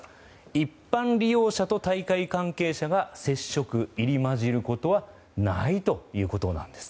一般利用者と大会関係者が接触や入り混じることはないということなんです。